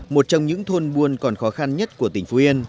một trong những thôn buôn còn khó khăn nhất của tỉnh phú yên